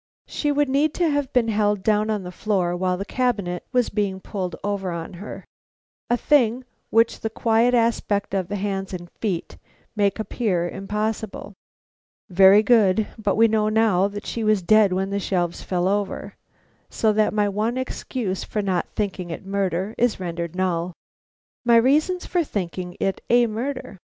_ She would need to have been held down on the floor while the cabinet was being pulled over on her, a thing which the quiet aspect of the hands and feet make appear impossible. (Very good, but we know now that she was dead when the shelves fell over, so that my one excuse for not thinking it a murder is rendered null.) _My reasons for thinking it a murder.